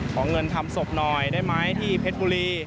ขอเงินทำศพหน่อยได้ไหมที่เพชรบุรี